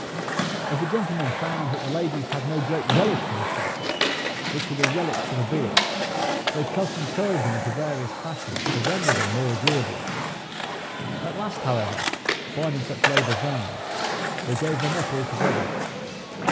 As the gentlemen found that the ladies had no great relish for mustaches, which were the relics of a beard, they cut and curled them into various fashions, to render them more agreeable. At last, however, finding such labor vain, they gave them up altogether.